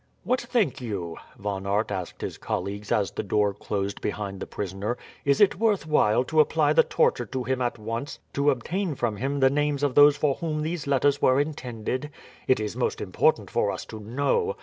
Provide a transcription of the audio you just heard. "What think you?" Von Aert asked his colleagues as the door closed behind the prisoner. "Is it worth while to apply the torture to him at once to obtain from him the names of those for whom these letters were intended? It is most important for us to know.